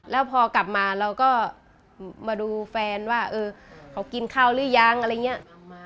แล้วพอกลับมาเราก็มาดูแฟนว่าเออเขากินข้าวหรือยังอะไรอย่างนี้